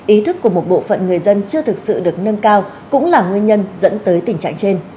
ý thức của một bộ phận người dân chưa thực sự được nâng cao cũng là nguyên nhân dẫn tới tình trạng trên